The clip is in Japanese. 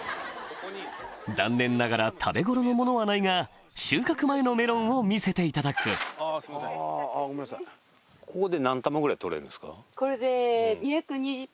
残念ながら食べ頃のものはないが収穫前のメロンを見せていただくこれで。